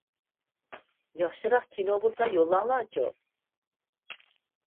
ياخشىراق كىنو بولسا يوللىساڭلارچۇ.